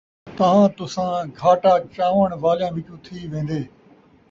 تاں تُساں گھاٹا چاوݨ والیاں وِچوں تھی ویندے ۔